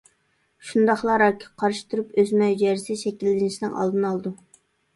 شۇنداقلا، راكقا قارشى تۇرۇپ، ئۆسمە ھۈجەيرىسى شەكىللىنىشنىڭ ئالدىنى ئالىدۇ.